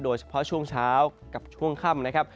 โดยเฉพาะช่วงเช้ากับช่วงค่ำนะครับ